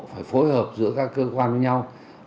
phải phối hợp giữa các cơ quan với nhau